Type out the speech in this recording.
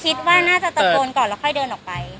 คิดว่าน่าจะตะโกนก่อนแล้วค่อยเดินออกไป